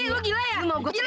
ih ih ih gue gila ya